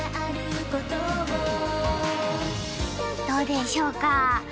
どうでしょうか？